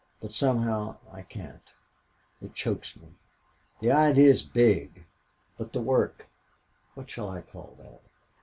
But somehow I can't. It chokes me. The idea is big. But the work what shall I call that?...